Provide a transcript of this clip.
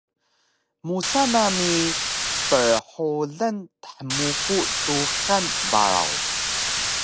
Musa nami prhulan thmuku Tuxan Baraw